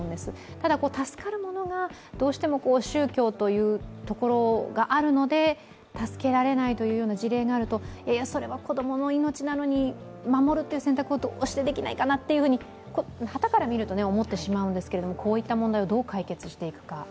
ただ助かるものが、どうしても宗教というところがあるので助けられないというような事例があると、それは子供の命なのに守るという選択をどうしてできないかなと、端からみると思ってしまうんですけど、こういった問題をどう解決していくか。